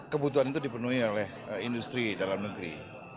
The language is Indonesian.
kebutuhan itu dipenuhi oleh industri dalam negeri